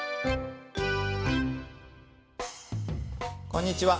こんにちは。